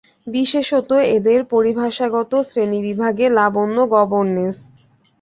বিশেষত এদের পরিভাষাগত শ্রেণীবিভাগে লাবণ্য গবর্নেস।